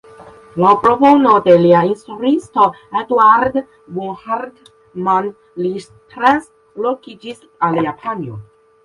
Laŭ propono de lia instruisto Eduard von Hartmann li translokiĝis al Japanio.